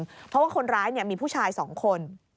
เพราะว่าคนร้ายมีผู้ชาย๒คน